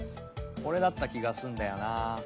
これだったきがすんだよな。